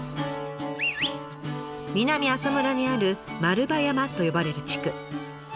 南阿蘇村にある丸葉山と呼ばれる地区。